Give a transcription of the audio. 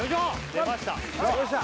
出ました